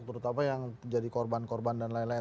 menurut apa yang jadi korban korban dan lain lain